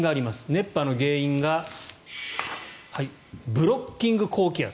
熱波の原因がブロッキング高気圧。